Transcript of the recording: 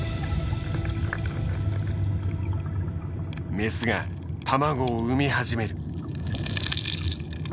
メスが卵を産み始める。